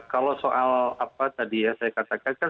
kalau soal apa tadi ya saya katakan kan